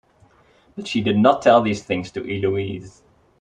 But she did not tell these things to Eloise.